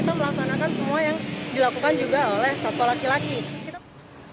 kita melaksanakan semua yang dilakukan juga oleh satwa laki laki